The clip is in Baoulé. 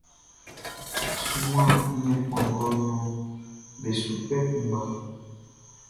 Ɔ suman nnɛn kpanngɔ nɲɔn be su kpɛ kunngba.